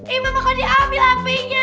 eh mama kok dia ambil hp nya